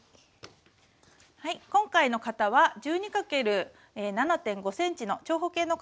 今回の型は１２×７．５ｃｍの長方形の型を使っています。